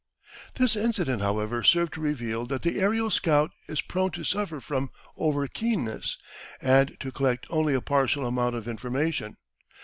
This incident, however, served to reveal that the aerial scout is prone to suffer from over keenness and to collect only a partial amount of information.